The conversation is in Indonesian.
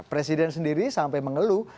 presiden sendiri sampai mengeluh